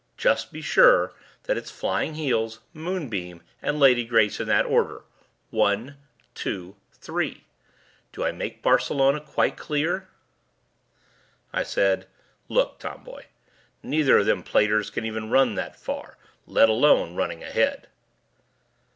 Just be sure that it's Flying Heels, Moonbeam, and Lady Grace in that order. One, two, three. Do I make Barcelona quite clear?" I said, "Look, Tomboy, neither of them platers can even run that far, let alone running ahead."